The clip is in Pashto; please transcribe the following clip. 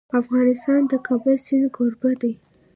افغانستان د د کابل سیند کوربه دی.